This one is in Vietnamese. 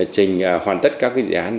trình hoàn tất các cái dự án